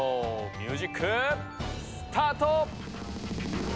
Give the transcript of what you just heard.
ミュージックスタート！